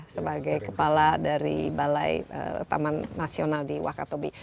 sebagai kepala dari balai taman nasional di wakatobi